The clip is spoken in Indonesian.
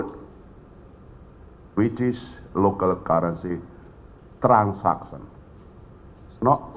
yaitu transaksi kewangan lokal